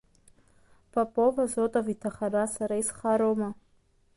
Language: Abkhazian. Попов-Азотов иҭахара сара исхароума?